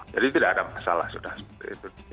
jadi tidak ada masalah sudah seperti itu